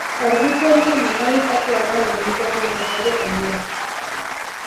Hordikeria madarikatua da langilearen etsairik handiena.